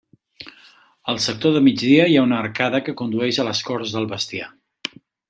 El sector de migdia hi ha una arcada que condueix a les corts del bestiar.